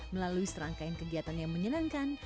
melalui serangkaian kegiatan yang menyenangkan